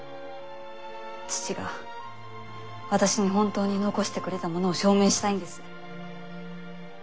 父が私に本当に残してくれたものを証明したいんです。